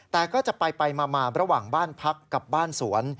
แต่ก็จะไปมาระหว่างบ้านพักกับบ้านสวน